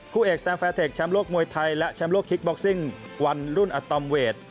คู่เอกสแตมแฟร์เทคแชมป์โลกมวยไทยและแชมป์โลกคิกบ็อกซิ่งวันรุ่นอัตอมเวท